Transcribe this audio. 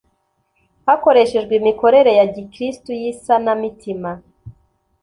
hakoreshejwe imikorere ya gikristo y isanamitima